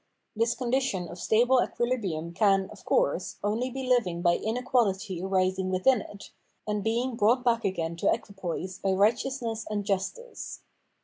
This condition of stable equihbrium can, of course, only be hy ing by inequahty arising within it, and being brought back again to equipoise by Kighteousness and Justice.